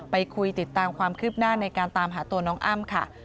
ไปคุยติดตามความคืบหน้าในการตามหาตัวน้องอ้ำค่ะ